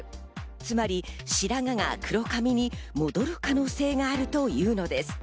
つまり白髪が黒髪に戻る可能性があるというのです。